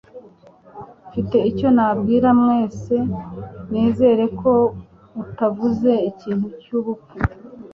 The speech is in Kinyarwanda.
Mfite icyo nabwira mwese Nizere ko utavuze ikintu cyubupfu.